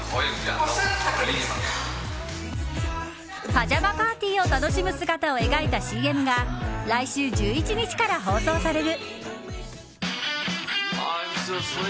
パジャマパーティーを楽しむ姿を描いたＣＭが来週１１日から放送される。